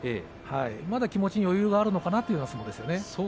まだ気持ちに余裕があるのかなという相撲でした。